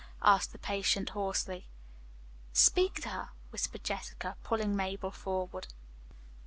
asked the patient hoarsely. "Speak to her," whispered Jessica, pushing Mabel forward.